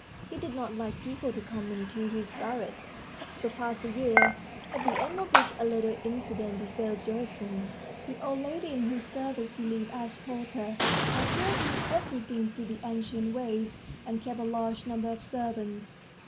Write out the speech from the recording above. He did not like people to come to his garret. So passed a year, at the end of which a little incident befell Gerasim. The old lady, in whose service he lived as porter, adhered in everything to the ancient ways, and kept a large number of servants.